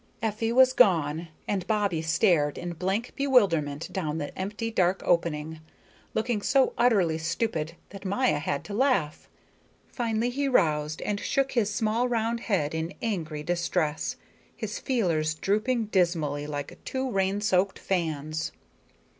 Effie was gone, and Bobbie stared in blank bewilderment down the empty dark opening, looking so utterly stupid that Maya had to laugh. Finally he roused, and shook his small round head in angry distress. His feelers drooped dismally like two rain soaked fans.